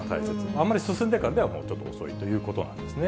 あんまり進んでからではちょっと遅いということなんですね。